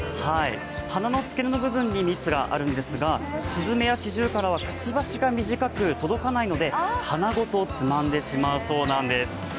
花のつけ根の部分に蜜があるんですがすずめやシジュウカラは、くちばしが短く届かないので、花ごとつまんでしまうそうなんです。